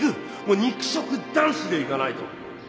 肉食男子でいかないと！